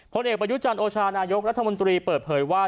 ผลเอกประยุจันทร์โอชานายกรัฐมนตรีเปิดเผยว่า